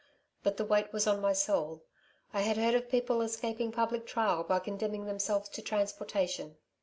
but the weight was on my soul, I had heard of people escaping public trial by condemning themselves to transportation.